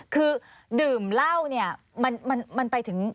คือดื่มเหล้าเนี่ยมันไปถึง